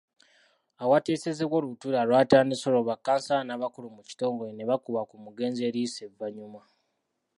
Awateesezebwa olutuula lwatandise olwo bakkansala n'abakulu mu kitongole nebakuba ku mugenzi eriiso evannyuma.